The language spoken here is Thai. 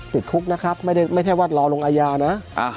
ติดคุกนะครับไม่ได้วัดล้อลงอายานะ